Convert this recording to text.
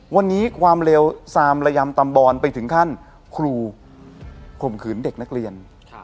วันนี้ความเลวซามระยำตำบอนไปถึงขั้นครูข่มขืนเด็กนักเรียน